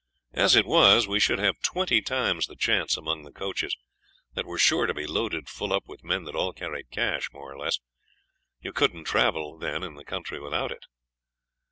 As it was, we should have twenty times the chance among the coaches, that were sure to be loaded full up with men that all carried cash, more or less; you couldn't travel then in the country without it.